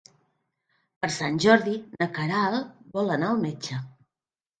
Per Sant Jordi na Queralt vol anar al metge.